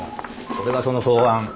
これがその草案。